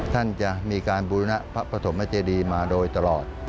ท่านจะมีการบูรณะพระปฐมเจดีมาโดยตลอด